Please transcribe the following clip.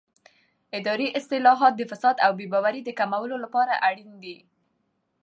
اداري اصلاحات د فساد او بې باورۍ د کمولو لپاره اړین دي